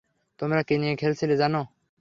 তোমরা কী নিয়ে খেলছিলে জানো?